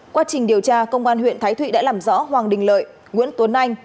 quá trình điều tra công an huyện thái thụy đã làm rõ hoàng đình lợi nguyễn tuấn anh